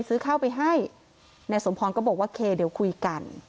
ซื้อข้าวไปให้นายสมพรก็บอกว่าเคเดี๋ยวคุยกัน